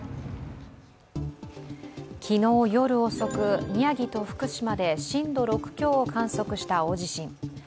昨日夜遅く、宮城と福島で震度６強を観測した大地震。